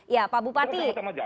ya pak bupati